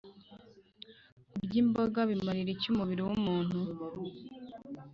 kurya imboga bimarira iki umubiri w’umuntu?